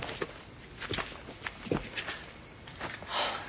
はあ。